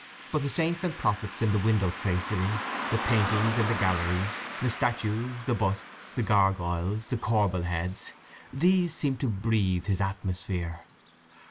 But the saints and prophets in the window tracery, the paintings in the galleries, the statues, the busts, the gargoyles, the corbel heads—these seemed to breathe his atmosphere.